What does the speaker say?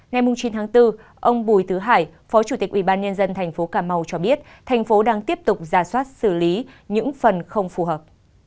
ngày chín tháng bốn ông bùi tứ hải phó chủ tịch ủy ban nhân dân thành phố cà mau cho biết thành phố đang tiếp tục ra soát xử lý những phần không phù hợp